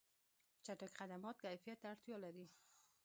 چټک خدمات کیفیت ته اړتیا لري.